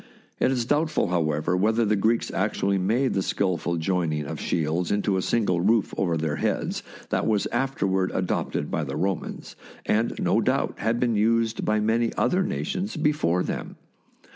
It is doubtful, however, whether the Greeks actually made the skilful join ing of shields into a single roof over their heads that was afterward adopted by the Romans, and no doubt had been used by many other nations be fore them.